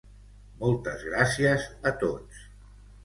Moltes gràcies a tots